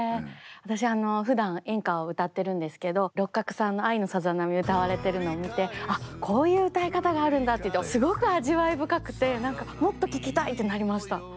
私ふだん演歌を歌ってるんですけど六角さんの「愛のさざなみ」歌われてるのを見てあっこういう歌い方があるんだってすごく味わい深くて何かもっと聴きたいってなりました。